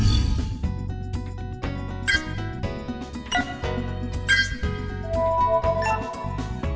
hẹn gặp lại